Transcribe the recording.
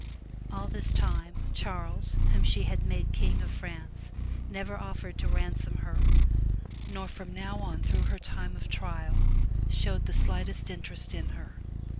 All this time, Charles whom she had made King of France, never offered to ransom her, nor 314 FROM THE TOWER WINDOW from now on through her time of trial showed the slightest interest in her.